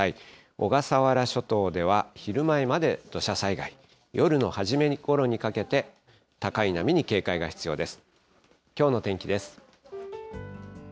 小笠原諸島では昼前まで土砂災害、夜の初めごろにかけて高い波に警戒が必要です。